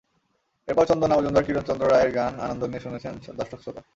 এরপর চন্দনা মজুমদার, কিরণ চন্দ্র রায়ের গান আনন্দ নিয়ে শুনেছেন দর্শক-শ্রোতা।